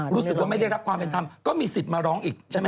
รู้สึกว่าไม่ได้รับความเป็นธรรมก็มีสิทธิ์มาร้องอีกใช่ไหม